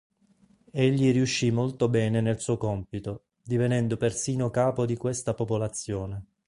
Egli riuscì molto bene nel suo compito, divenendo persino capo di questa popolazione.